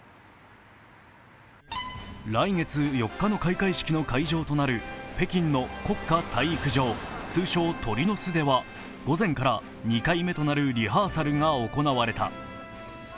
来月４日の開会式の会場となる北京の国家体育場、通称・鳥の巣では午前から２回目となるリハーサルが行われた。